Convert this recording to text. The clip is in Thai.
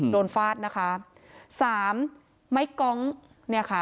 ฟาดนะคะสามไม้กองเนี่ยค่ะ